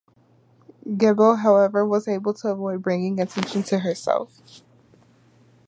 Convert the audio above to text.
Gebel however was able to avoid bringing attention to herself.